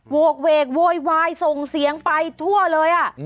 วกเวกโวยวายส่งเสียงไปทั่วเลย